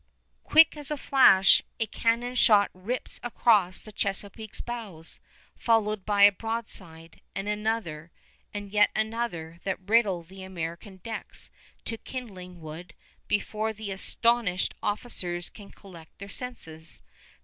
Quick as flash a cannon shot rips across the Chesapeake's bows, followed by a broadside, and another, and yet another, that riddle the American decks to kindling wood before the astonished officers can collect their senses.